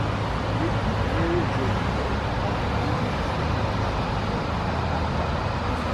L'équipe néo-zélandaise pratique depuis ses premières tournées un haka.